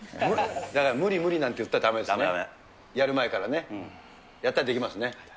だから無理無理なんて言ったらだめですよね、やる前からね。やったらできますね。